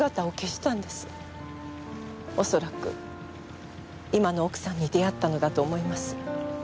恐らく今の奥さんに出会ったのだと思います。